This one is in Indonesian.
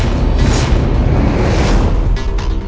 aku tidak mau itu terjadi